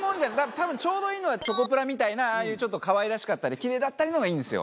多分ちょうどいいのはチョコプラみたいなああいうかわいらしかったりキレイだったりのがいいんですよ。